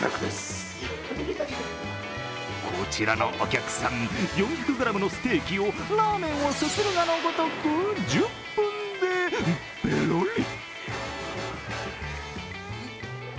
こちらのお客さん、４００ｇのステーキをラーメンをすするがのごとく１０分でペロリ。